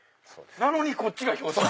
なのにこっちが表紙。